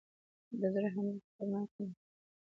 د زړه حمله خطرناکه ده